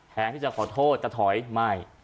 แทนที่จะขอโทษจะถอยไม่